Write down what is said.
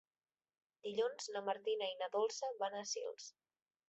Dilluns na Martina i na Dolça van a Sils.